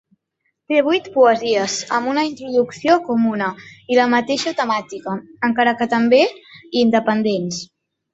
Té vuit poesies amb una introducció comuna i la mateixa temàtica, encara que també independents.